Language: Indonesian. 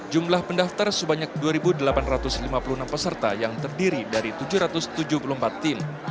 jumlah pendaftar sebanyak dua delapan ratus lima puluh enam peserta yang terdiri dari tujuh ratus tujuh puluh empat tim